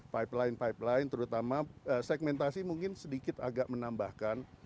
pipeline pipeline terutama segmentasi mungkin sedikit agak menambahkan